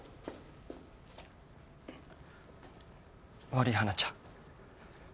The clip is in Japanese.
悪いハナちゃん